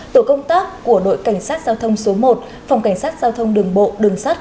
tổ công tác của đội cảnh sát giao thông số một phòng cảnh sát giao thông đường bộ đường sắt